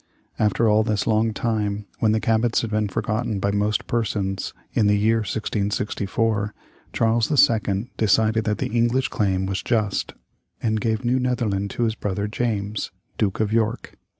After all this long time, when the Cabots had been forgotten by most persons, in the year 1664, Charles II. decided that the English claim was just, and gave New Netherland to his brother James, Duke of York.